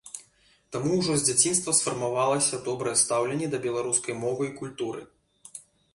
Таму ўжо з дзяцінства сфармавалася добрае стаўленне да беларускай мовы і культуры.